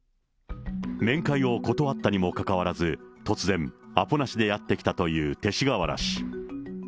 面会を断ったにもかかわらず、突然、アポなしでやって来たという勅使河原氏。